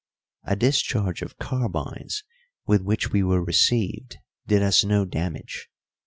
A discharge of carbines with which we were received did us no damage.